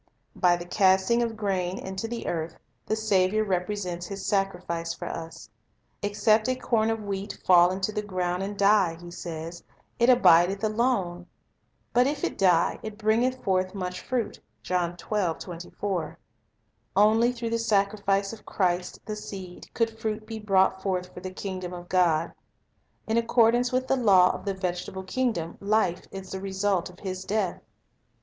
By the casting of grain into the earth, the Saviour Life represents His sacrifice for us. "Except a corn ol through Death wheat fall into the ground and die," He says, "it abideth alone; but if it die, it bringeth forth much fruit." 1 (Jul) through the sacrifice of Christ, the Seed, could fruit be brought forth for the kingdom of God. In accordance with the law of the vegetable kingdom, life is the result of His death.